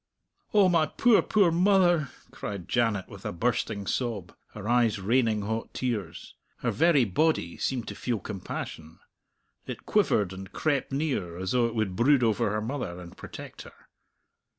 "O my poor, poor mother!" cried Janet with a bursting sob, her eyes raining hot tears. Her very body seemed to feel compassion; it quivered and crept near, as though it would brood over her mother and protect her.